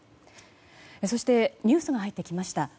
そしてニュースが入ってきました。